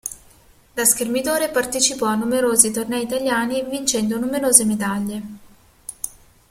Da schermidore partecipò a numerosi tornei italiani vincendo numerose medaglie.